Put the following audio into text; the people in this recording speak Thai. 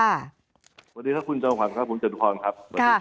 สวัสดีค่ะคุณจัตุพรครับผมจัตุพรครับ